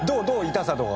痛さとか。